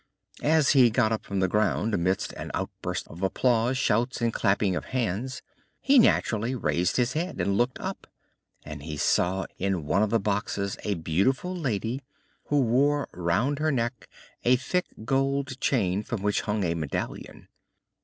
As he got up from the ground amidst an outburst of applause, shouts and clapping of hands, he naturally raised his head and looked up, and he saw in one of the boxes a beautiful lady who wore round her neck a thick gold chain from which hung a medallion.